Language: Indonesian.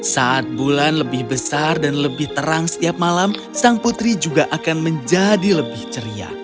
saat bulan lebih besar dan lebih terang setiap malam sang putri juga akan menjadi lebih ceria